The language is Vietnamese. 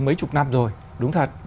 mấy chục năm rồi đúng thật